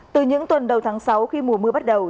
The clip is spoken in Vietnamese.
từ những tuần đầu tháng sáu khi mùa mưa bắt đầu